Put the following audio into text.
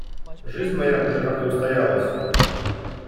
Жизнь моя уже как-то устоялась.